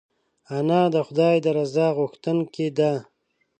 انا د خدای د رضا غوښتونکې ده